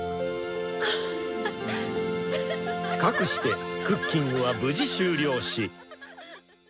かくしてクッキングは無事終了し。